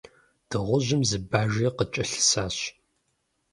Дыгъужьым зы Бажи къыкӀэлъысащ.